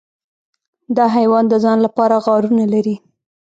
دا حیوان د ځان لپاره غارونه لري.